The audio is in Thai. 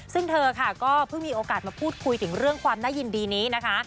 ซึ่งเธอค่ะก็เพิ่งมีโอกาสมาพูดคุยถึงเรื่องความน่ายินดีนี้นะคะ